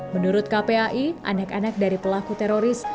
menurut kpai anak anak dari pelaku teroris